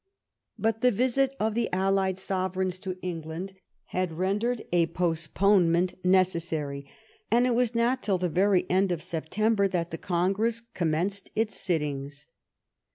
But the visit of the allied Sovereigns to England had rendered a postponement necessary, and it was not till the very end of September that the Congress conunenced its sittings.